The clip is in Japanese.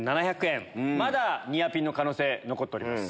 まだニアピンの可能性残っております。